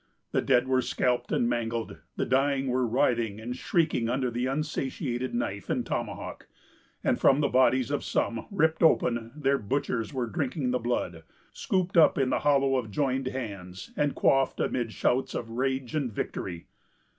The dead were scalped and mangled; the dying were writhing and shrieking under the unsatiated knife and tomahawk; and from the bodies of some, ripped open, their butchers were drinking the blood, scooped up in the hollow of joined hands, and quaffed amid shouts of rage and victory.